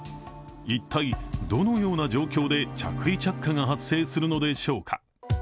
一体、どのような状況で着衣着火が発生するのでしょうか。